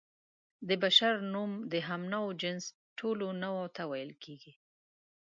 د بشر نوم د هومو جنس ټولو نوعو ته ویل کېږي.